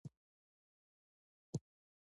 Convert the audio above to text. د غزني په اب بند کې د لیتیم نښې شته.